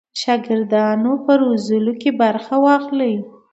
د شاګردانو په روزلو کې برخه واخلي.